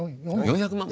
４００万？